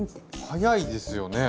はやいですよね。